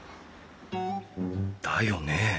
だよね。